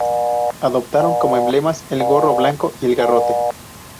Adoptaron como emblemas el gorro blanco y el garrote.